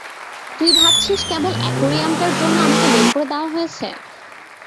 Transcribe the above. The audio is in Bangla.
তুই ভাবছিস কেবল অ্যাকোরিয়াম টার জন্য আমাকে বের করে দেয়া হয়েছে?